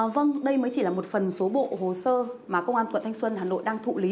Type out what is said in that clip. vâng đây mới chỉ là một phần số bộ hồ sơ mà công an quận thanh xuân hà nội đang thụ lý